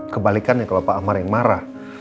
kebalikannya kalau pak amar yang marah